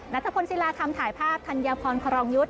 พลศิลาธรรมถ่ายภาพธัญพรครองยุทธ์